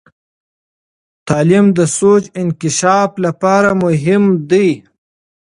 تعلیم د سوچ انکشاف لپاره مهم دی.